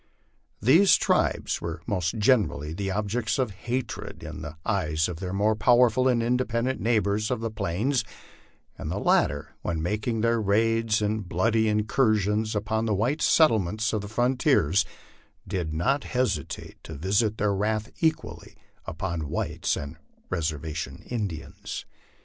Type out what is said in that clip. These tribes were most generally the objects of hatred in the eyes of their more powerful and independent neighbors of the Plains, and the latter, when making their raids and bloody incursions upon the white settle ments of the frontiers, did not hesitate to visit their wrath equally upon whites and reservation Indians.